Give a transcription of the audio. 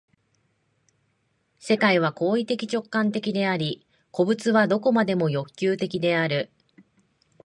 世界は行為的直観的であり、個物は何処までも欲求的である。